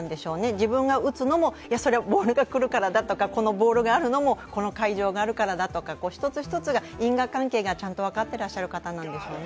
自分が打つのも、それはボールが来るからだとか、このボールが来るのかもの会場があるからだと一つ一つが因果関係がちゃんと分かってらっしゃる方なんでしょうね。